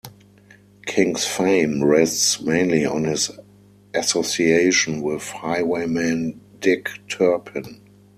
King's fame rests mainly on his association with highwayman Dick Turpin.